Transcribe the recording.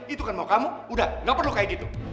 itu kan mau kamu udah gak perlu kayak gitu